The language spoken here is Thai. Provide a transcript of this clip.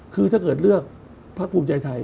คือถ้าเกิดเลือกพักภูมิใจไทย